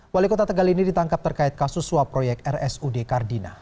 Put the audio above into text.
wali kota tegal ini ditangkap terkait kasus suap proyek rsud kardina